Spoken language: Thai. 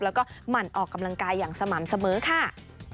แล้วก็หมั่นออกกำลังกายอย่างสม่ำเสมอค่ะ